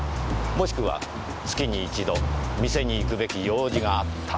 もしくは月に一度店に行くべき用事があった。